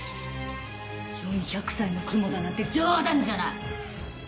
４００歳の蜘蛛だなんて冗談じゃない！